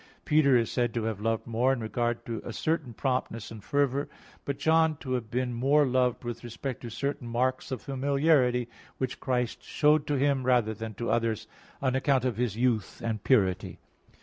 Peter is said to have loved more, in regard to a certain promptness and fervor; but John to have been more loved, with respect to certain marks of familiarity which Christ showed to him rather than to others, on account of his youth and purity.